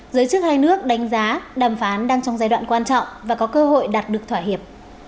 giới chức hai nước đánh giá đàm phán đang trong giai đoạn quan trọng và có cơ hội đạt được thỏa hiệp